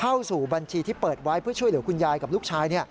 เข้าสู่บัญชีที่เปิดไว้เพื่อช่วยเหลือคุณยายกับลูกชาย